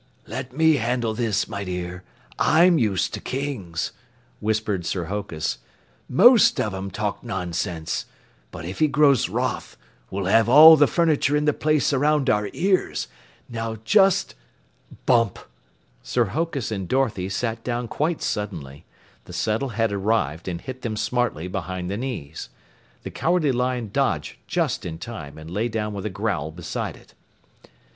"Let me handle this, my dear. I'm used to Kings," whispered Sir Hokus. "Most of 'em talk nonsense. But if he grows wroth, we'll have all the furniture in the place around our ears. Now just " Bump! Sir Hokus and Dorothy sat down quite suddenly. The settle had arrived and hit them smartly behind the knees. The Cowardly Lion dodged just in time and lay down with a growl beside it.